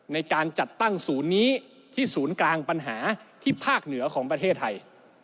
ในการจัดตั้งศูนย์นี้ที่ศูนย์กลางปัญหาที่ภาคเหนือของประเทศไทย